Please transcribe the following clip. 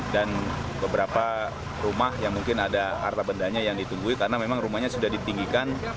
dan beberapa rumah yang mungkin ada harta bendanya yang ditunggui karena memang rumahnya sudah ditinggikan